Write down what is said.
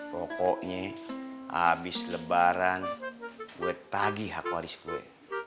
pokoknya habis lebaran gue tagih hak waris gue